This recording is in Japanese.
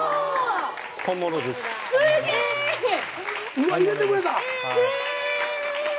うわ入れてくれた？